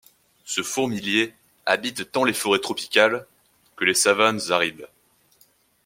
Ce fourmilier habite tant les forêts tropicales que les savanes arides.